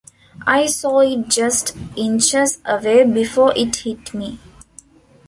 I saw it just inches away before it hit me.